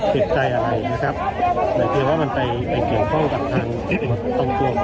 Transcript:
ผิดใจอะไรนะครับเหมือนเกี่ยวว่ามันไปไปเกี่ยวข้องกับทางตรงตัวของ